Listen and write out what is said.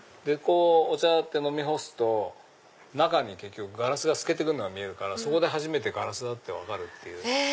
お茶って飲み干すと中にガラスが透けてくるのが見えるからそこで初めてガラスだって分かる。